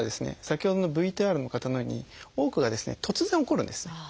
先ほどのＶＴＲの方のように多くがですね突然起こるんです。